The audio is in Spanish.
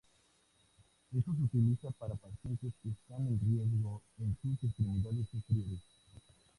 Esto se utiliza para pacientes que están en riesgo en sus extremidades inferiores.